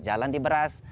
jalan di beras